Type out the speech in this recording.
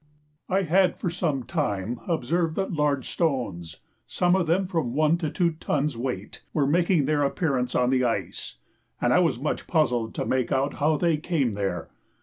I had for some time observed that large stones, some of them of one or two tons weight, were making their appearance on the ice; and I was much puzzled to make out how they came there.